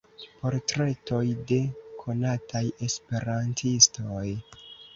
Portretoj de konataj Esperantistoj.